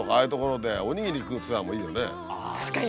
確かに。